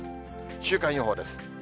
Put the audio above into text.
週間予報です。